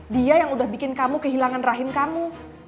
dia yang udah bikin kamu kehilangan rahim kamu